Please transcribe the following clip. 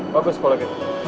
bagus kalau gitu